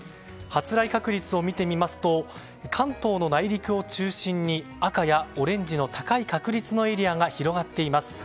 発雷確率を見てみますと関東の内陸を中心に赤やオレンジの高い確率のエリアが広がっています。